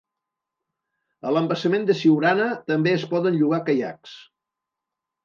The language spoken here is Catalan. A l'embassament de Siurana també es poden llogar caiacs.